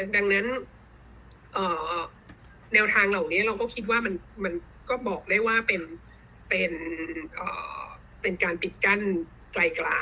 ดังนั้นแนวทางเหล่านี้เราก็คิดว่ามันก็บอกได้ว่าเป็นการปิดกั้นไกลกลาง